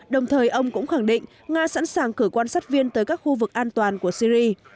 đồng thời ông cũng khẳng định nga sẵn sàng cử quan sát viên tới các khu vực an toàn của syri